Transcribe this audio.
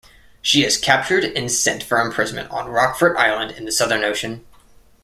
She is captured and sent for imprisonment on Rockfort Island in the Southern Ocean.